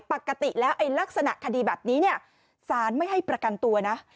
ปกติแล้วลักษณะคดีแบบนี้เนี่ยสารไม่ให้ประกันตัวนะ